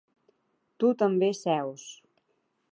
Tu també seus.